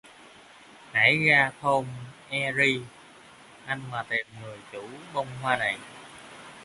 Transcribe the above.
Hãy ra thôn e ri a mà tìm người chủ bông hoa này